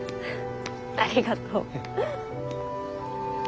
ありがとう。